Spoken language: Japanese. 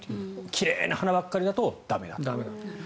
奇麗な花ばかりだと駄目だと。